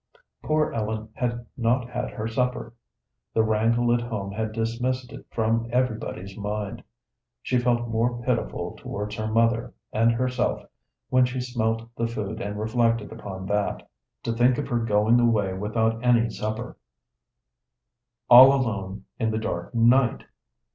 Poor Ellen had not had her supper; the wrangle at home had dismissed it from everybody's mind. She felt more pitiful towards her mother and herself when she smelt the food and reflected upon that. To think of her going away without any supper, all alone in the dark night!